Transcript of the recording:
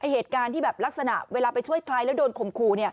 เหตุการณ์ที่แบบลักษณะเวลาไปช่วยใครแล้วโดนข่มขู่